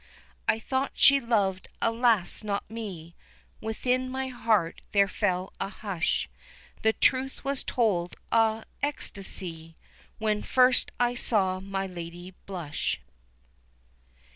I thought she loved, alas! not me Within my heart there fell a hush, The truth was told ah! ecstasy! When first I saw my lady blush.